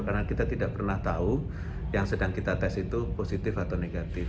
karena kita tidak pernah tahu yang sedang kita tes itu positif atau negatif